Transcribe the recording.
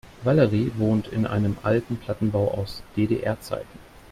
Valerie wohnt in einem alten Plattenbau aus DDR-Zeiten.